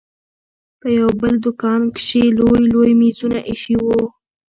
په يو بل دوکان کښې لوى لوى مېزونه ايښي وو.